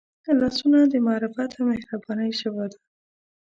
لاسونه د معرفت او مهربانۍ ژبه ده